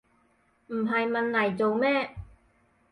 唔係問黎做咩